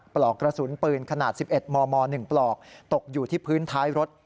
ปลอกกระสุนปืนขนาด๑๑มม๑ปลอกตกอยู่ที่พื้นท้ายรถ